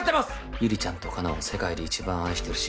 ゆりちゃんと花奈を世界で一番愛してるし。